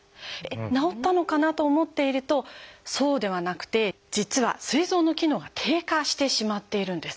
治ったのかなと思っているとそうではなくて実はすい臓の機能が低下してしまっているんです。